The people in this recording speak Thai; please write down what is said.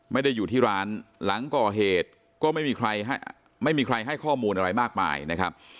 ไม่ได้อยู่ที่ร้านหลังก่อเหตุก็ไม่มีใครไม่มีใครให้ข้อมูลอะไรมากมายนะครับ